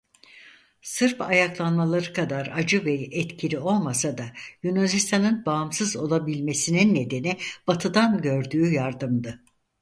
Sırp ayaklanmaları kadar acı ve etkili olmasa da Yunanistan'ın bağımsız olabilmesinin nedeni Batı'dan gördüğü yardımdı.